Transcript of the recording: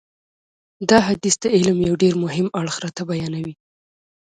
دا حدیث د علم یو ډېر مهم اړخ راته بیانوي.